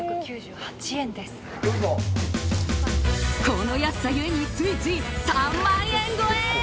この安さゆえについつい３万円超え！